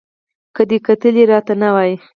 که دې کتلي را ته نه وای